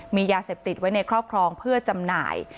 มียาเสพติดไว้ในครอบครองเพื่อจำหน่าย